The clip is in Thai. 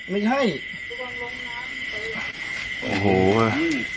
ไม่ใช่